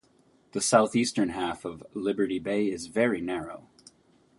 The southeastern half of Liberty Bay is very narrow.